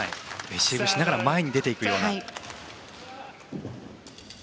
レシーブしながら前に出ていくような。